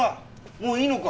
もういいのか？